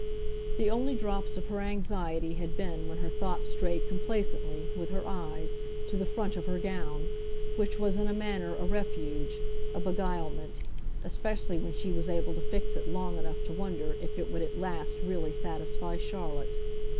The only drops of her anxiety had been when her thought strayed complacently, with her eyes, to the front of her gown, which was in a manner a refuge, a beguilement, especially when she was able to fix it long enough to wonder if it would at last really satisfy Charlotte.